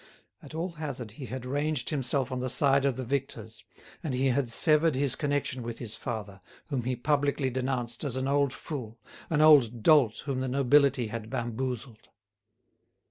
At all hazard he had ranged himself on the side of the victors, and he had severed his connection with his father, whom he publicly denounced as an old fool, an old dolt whom the nobility had bamboozled.